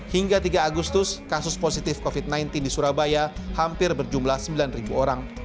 hingga tiga agustus kasus positif covid sembilan belas di surabaya hampir berjumlah sembilan orang